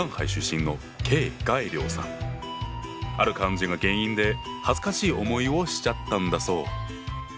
中国ある漢字が原因で恥ずかしい思いをしちゃったんだそう。